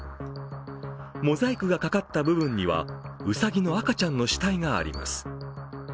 モザイクがかかった部分には、うさぎの赤ちゃんの死体があります。